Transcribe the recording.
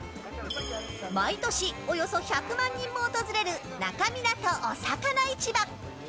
毎年およそ１００万人も訪れる那珂湊おさかな市場。